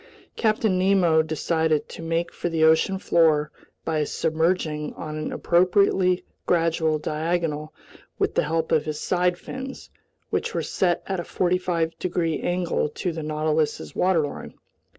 Captain Nemo decided to make for the ocean floor by submerging on an appropriately gradual diagonal with the help of his side fins, which were set at a 45 degrees angle to the Nautilus's waterline.